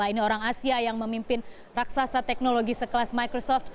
ini orang asia yang memimpin raksasa teknologi sekelas microsoft